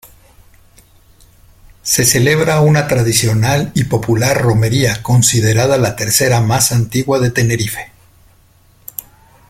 Se celebra una tradicional y popular romería, considerada la tercera más antigua de Tenerife.